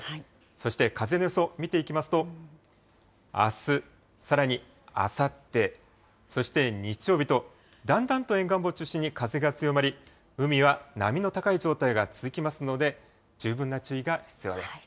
そして風の予想、見ていきますと、あす、さらにあさって、そして日曜日と、だんだんと沿岸部を中心に風が強まり、海は波の高い状態が続きますので、十分な注意が必要です。